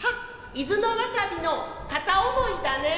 「伊豆のわさびの片思いだね」。